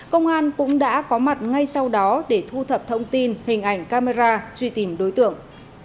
công an cũng đã có mặt ngay sau đó để thu thập thông tin hình ảnh camera truy tìm đối tượng